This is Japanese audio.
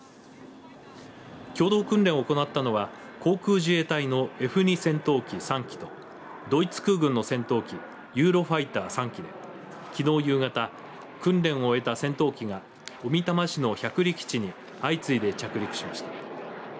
共同訓練を行ったのは航空自衛隊のＦ２戦闘機３機とドイツ空軍の戦闘機ユーロファイター３機できのう夕方、訓練を終えた戦闘機が小美玉市の百里基地に相次いで着陸しました。